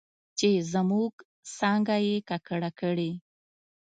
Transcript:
چې زموږ څانګه یې ککړه کړې